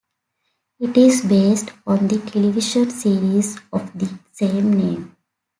It is based on the television series of the same name.